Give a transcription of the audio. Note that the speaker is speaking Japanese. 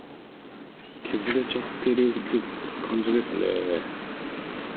削れちゃってる感じですね。